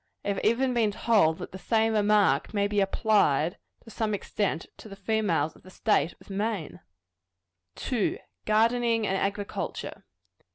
I have even been told that the same remark might be applied, to some extent, to the females of the state of Maine. 2. _Gardening and Agriculture.